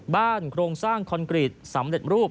โครงสร้างคอนกรีตสำเร็จรูป